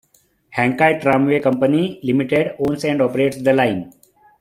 Hankai Tramway Company, Limited owns and operates the line.